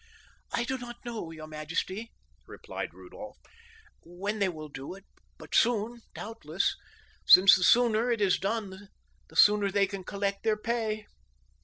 "I do not know, your majesty," replied Rudolph, "when they will do it; but soon, doubtless, since the sooner it is done the sooner they can collect their pay."